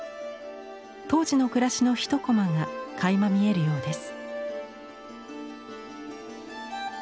当時の暮らしの一コマがかいま見えるようです。